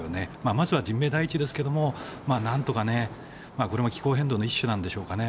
まずは人命第一ですけどこれも気候変動の一種なんですかね